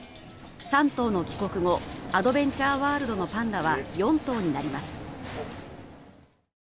３頭の帰国後アドベンチャーワールドのパンダは４頭になります。